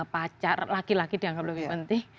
pacar laki laki dianggap lebih penting